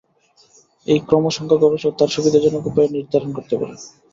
এই ক্রমসংখ্যা গবেষক তার সুবিধাজনক উপায়ে নির্ধারণ করতে পারেন।